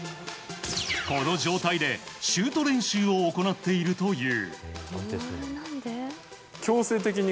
この状態でシュート練習を行っているという。